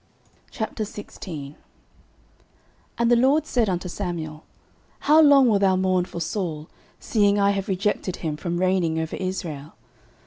09:016:001 And the LORD said unto Samuel, How long wilt thou mourn for Saul, seeing I have rejected him from reigning over Israel?